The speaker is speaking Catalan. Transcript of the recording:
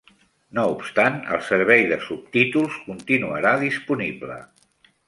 No obstant, el servei de subtítols continuarà disponible.